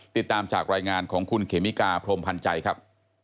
ติดตามจากรายงานของคุณเขมิกาพรมพันธ์ใจครับ